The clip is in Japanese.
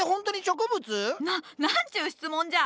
な何ちゅう質問じゃ！